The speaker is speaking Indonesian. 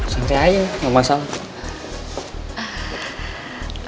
senti aja gak masalah